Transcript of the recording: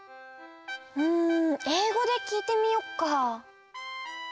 うんえいごできいてみよっか。